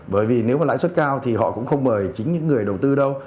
bởi vì nếu mà lãi suất cao thì họ cũng không mời chính những người đầu tư đâu